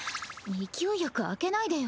勢いよく開けないでよ。